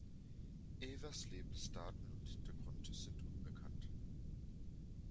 Evers Lebensdaten und Hintergrund sind unbekannt.